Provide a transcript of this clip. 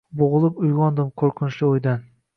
Boʻgʻilib uygʻondim qoʻrqinchli oʻydan